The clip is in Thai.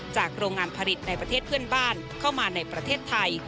โรงงานผลิตในประเทศเพื่อนบ้านเข้ามาในประเทศไทย